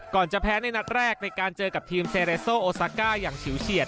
จะแพ้ในนัดแรกในการเจอกับทีมเซเรโซโอซาก้าอย่างฉิวเฉียด